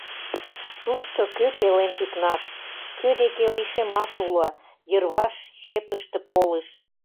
Тушто кӧ пелен тӱкнаш, кӧ деке лишемаш уло, йырваш чепыште полыш.